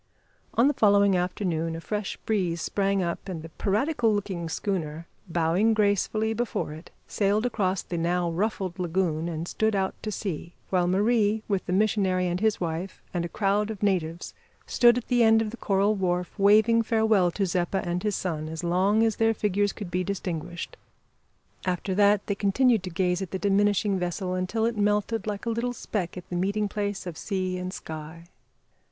'" On the following afternoon a fresh breeze sprang up and the piratical looking schooner, bowing gracefully before it, sailed across the now ruffled lagoon and stood out to sea, while Marie with the missionary and his wife, and a crowd of natives, stood at the end of the coral wharf, waving farewell to Zeppa and his son as long as their figures could be distinguished. After that, they continued to gaze at the diminishing vessel until it melted like a little speck at the meeting place of sea and sky.